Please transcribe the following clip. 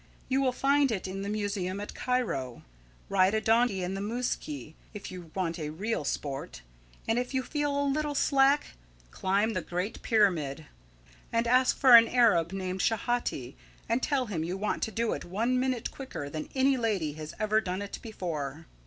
You will find it in the museum at Cairo. Ride a donkey in the Mooskee if you want real sport; and if you feel a little slack, climb the Great Pyramid. Ask for an Arab named Schehati, and tell him you want to do it one minute quicker than any lady has ever done it before."